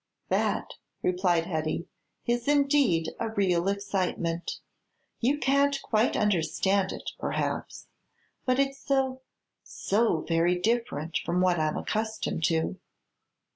"That," replied Hetty, "is indeed a real excitement. You can't quite understand it, perhaps; but it's so so very different from what I'm accustomed to."